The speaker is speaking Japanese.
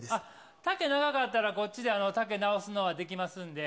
丈長かったら、こっちで丈直すのはできますんで。